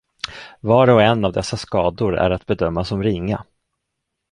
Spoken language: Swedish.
Var och en av dessa skador är att bedöma som ringa.